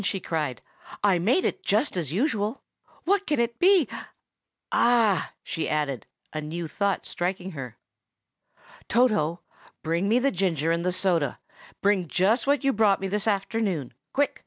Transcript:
she cried. "I made it just as usual. What can it be? Ah!" she added, a new thought striking her. "Toto, bring me the ginger and the soda; bring just what you brought me this afternoon. Quick!